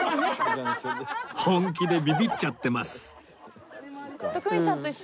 本気でビビっちゃってます